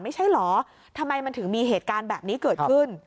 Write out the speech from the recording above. ไม่ใช่เหรอทำไมมันถึงมีเหตุการณ์แบบนี้เกิดขึ้น